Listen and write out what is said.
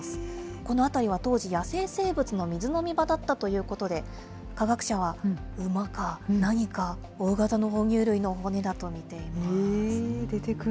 この辺りは当時、野生生物の水飲み場だったということで、科学者は、馬か何か大型の哺乳類の骨だと見ています。